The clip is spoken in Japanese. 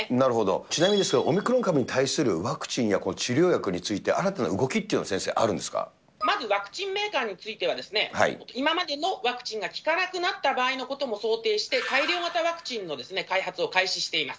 ちなみにですけど、オミクロン株に対するワクチンや治療薬について、新たな動きって、まずワクチンメーカーについては、今までのワクチンが効かなくなった場合のときのことも考慮して、改良型ワクチンの開発を開始しています。